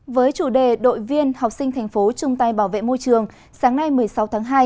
với chủ đề đội viên học sinh thành phố chung tay bảo vệ môi trường sáng nay một mươi sáu tháng hai